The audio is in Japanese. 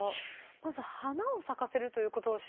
まず花を咲かせるということを知りませんでした。